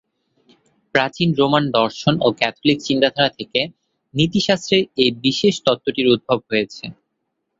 প্রাচীন রোমান দর্শন ও ক্যাথলিক চিন্তাধারা থেকে নীতিশাস্ত্রের এ বিশেষ তত্ত্বটির উদ্ভব হয়েছে।